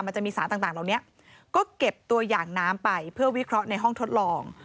มันจะมีสารต่างเหล่านี้ก็เก็บตัวอย่างน้ำไปเพื่อวิเคราะห์ในห้องทดลอง